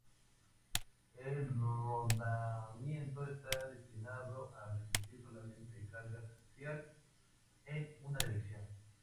El rodamiento está destinado a resistir solamente carga axial en una dirección.